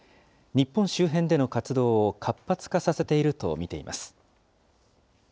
日本周辺での活動を活発化させていると見ています。